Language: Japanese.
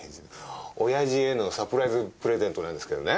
親父へのサプライズプレゼントなんですけどね。